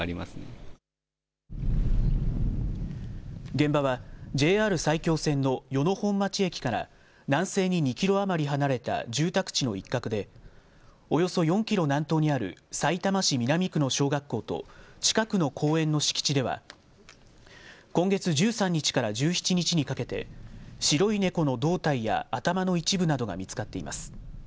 現場はＪＲ埼京線の与野本町駅から南西に２キロ余り離れた住宅地の一角でおよそ４キロ南東にあるさいたま市南区の小学校と近くの公園の敷地では今月１３日から１７日にかけて白い猫の胴体や頭の一部などが見つかっています。